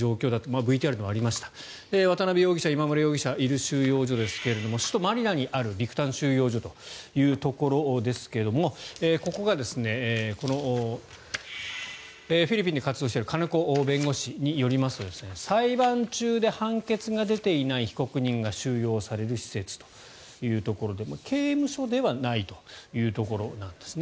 ＶＴＲにもありました渡邉容疑者、今村容疑者がいる収容所ですが首都マニラにあるビクタン収容所というところですがここがですねフィリピンで活動している金子弁護士によりますと裁判中で判決が出ていない被告人が収容される施設というところで刑務所ではないというところなんですね。